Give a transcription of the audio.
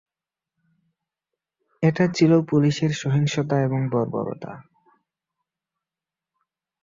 এটা ছিল পুলিশের সহিংসতা এবং বর্বরতা।